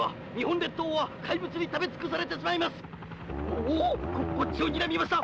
「おおっこっちをにらみました」